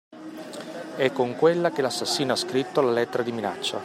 È con quella che l'assassino ha scritto la lettera di minaccia.